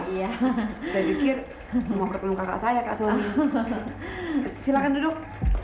iya saya pikir mau ketemu kakak saya kak silakan duduk